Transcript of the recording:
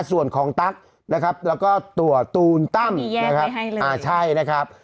ส่วนของตั๊กนะครับแล้วก็ตั๋วตูนตั้มมีแยกไว้ให้เลยอ่าใช่นะครับ